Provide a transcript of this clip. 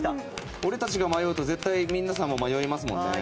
俺たちが迷うと皆さんも迷いますよね。